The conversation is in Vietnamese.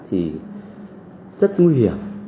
thì rất nguy hiểm